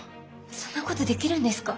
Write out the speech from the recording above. そんなことできるんですか？